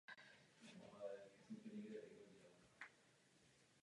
Ti, kvůli nimž aktivisté konají svoji práci, pak ztratí naději.